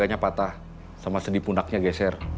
gaganya patah sama sedih punaknya geser